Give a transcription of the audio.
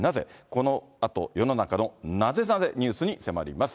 このあと世の中のナゼナゼＮＥＷＳに迫ります。